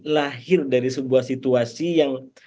lahir dari sebuah situasi yang